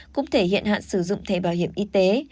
cũng thể hiện hạn sử dụng thẻ bảo hiểm y tế